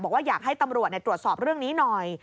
บอกว่าอยากให้ตำรวจตรวจสอบเรื่องนี้หน่อย